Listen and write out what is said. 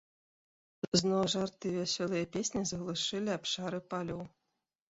Зноў жарты і вясёлыя песні заглушылі абшары палёў.